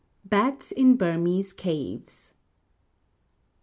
BATS IN BURMESE CAVES.